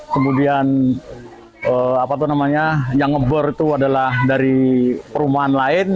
kemudian apa tuh namanya yang ngebor itu adalah dari perumahan lain